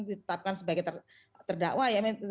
ditetapkan sebagai terdakwa